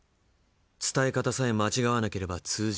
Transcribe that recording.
伝え方さえ間違わなければ通じ合える。